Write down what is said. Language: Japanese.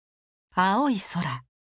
青い空。